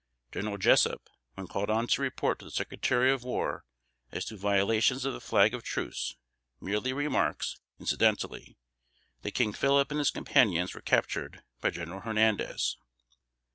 General Jessup, when called on to report to the Secretary of War as to violations of the flag of truce, merely remarks, incidentally, that King Phillip and his companions were captured by General Hernandez.